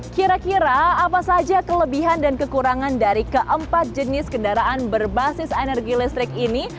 kira kira apa saja kelebihan dan kekurangan dari keempat jenis kendaraan berbasis energi listrik ini